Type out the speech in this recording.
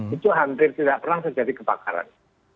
itu hampir tidak pernah terjadi kebakaran